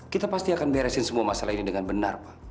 kita pasti akan beresin semua masalah ini dengan benar pak